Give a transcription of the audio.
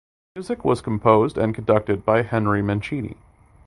The music was composed and conducted by Henry Mancini.